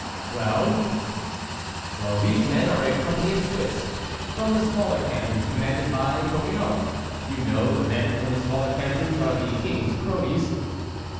"Well?" "Well, these men are a company of Swiss, from the smaller cantons, commanded by Toquenot,—you know the men from the smaller cantons are the King's cronies."